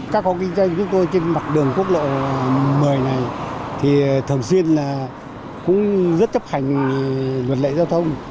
các hộ kinh doanh chúng tôi trên mặt đường quốc lộ một mươi này thì thường xuyên cũng rất chấp hành luật lệ giao thông